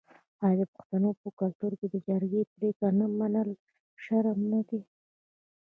آیا د پښتنو په کلتور کې د جرګې پریکړه نه منل شرم نه دی؟